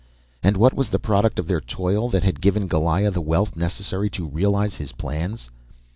And what was the product of their toil that had given Goliah the wealth necessary to realize his plans?